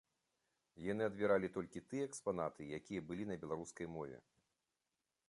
Яны адбіралі толькі тыя экспанаты, якія былі на беларускай мове.